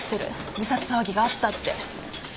自殺騒ぎがあったって。